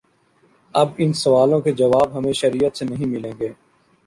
اب ان سوالوں کے جواب ہمیں شریعت سے نہیں ملیں گے۔